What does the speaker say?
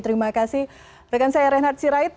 terima kasih rekan saya reinhard sirait